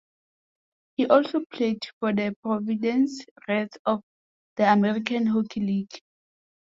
He also played for the Providence Reds of the American Hockey League.